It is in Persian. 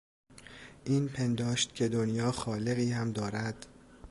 این پنداشت که دنیا خالقی هم دارد...